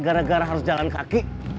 gara gara harus jalan kaki